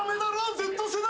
Ｚ世代。